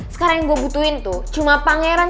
sekarang yang gue butuhin tuh cuma pangeran